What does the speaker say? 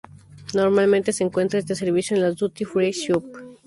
Normalmente se encuentra este servicio en las Duty Free Shop